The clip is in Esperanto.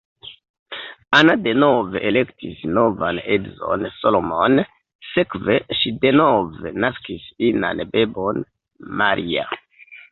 Anna denove elektis novan edzon Solomon, sekve ŝi denove naskis inan bebon Maria.